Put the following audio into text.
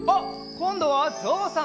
こんどはぞうさん！